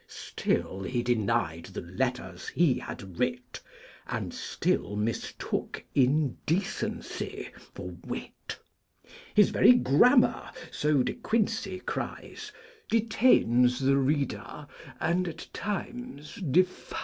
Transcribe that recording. Still he denied the Letters he had writ, And still mistook Indecency for Wit. His very Grammar, so De Quincey cries, "Detains the Reader, and at times defies!"'